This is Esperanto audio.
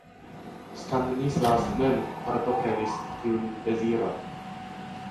Stanislas mem partoprenis tiun deziron.